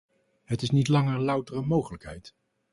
Het is niet langer louter een mogelijkheid.